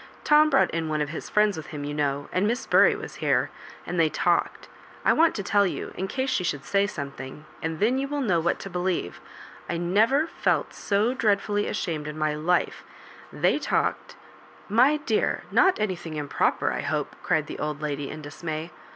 Tom brought in one of his friends with him, you know, and Miss Bury was here, and they talked — I want to tell you, in case she should say something, and then you will know what to believe — I never felt so dreadfully ashamed in my life — they talked *^" My dear I not anything improper, I hope,'* cried the old lady, in dismay.